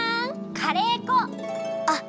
カレー粉！あっ！